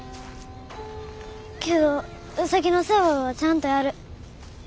けどウサギの世話はちゃんとやる。